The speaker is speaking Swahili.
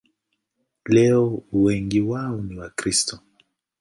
Leo wengi wao ni Wakristo.